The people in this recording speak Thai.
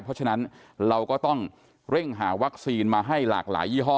เพราะฉะนั้นเราก็ต้องเร่งหาวัคซีนมาให้หลากหลายยี่ห้อ